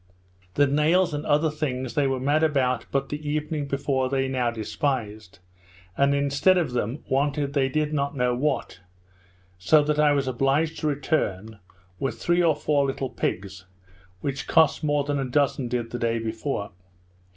The nails and other things they were mad after but the evening before, they now despised, and instead of them wanted they did not know what; so that I was obliged to return, with three or four little pigs, which cost more than a dozen did the day before.